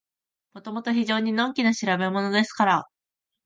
もともと非常にのんきな調べものですから、